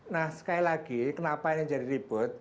nah sekali lagi kenapa ini jadi ribut